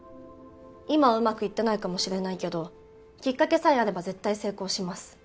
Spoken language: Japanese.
今はうまくいってないかもしれないけどきっかけさえあれば絶対成功します